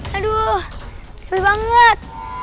aduh tebel banget